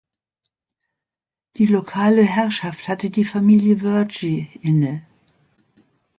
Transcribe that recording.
Die lokale Herrschaft hatte die Familie Vergy inne.